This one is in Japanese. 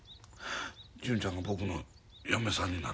純ちゃんが僕の嫁さんになるちゅう。